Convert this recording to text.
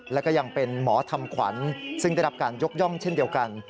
แล้วก็ยังเป็นหมอทำขวัญซึ่งได้รับการยกย่องเช่นเดียวกัน